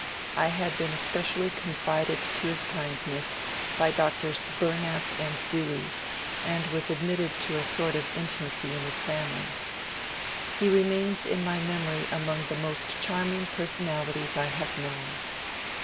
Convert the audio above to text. I had been especially confided to his kind ness by Drs. Bumap and Dewey, and was admitted to a sort of intimacy in his family. He remains in my memory among the most charming personalities I have known.